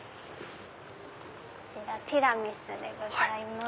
こちらティラミスでございます。